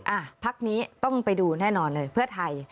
อ่ะพักนี้ต้องไปดูแน่นอนเลยเพื่อไทย